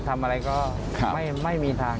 ทำอะไรก็ไม่มีทาง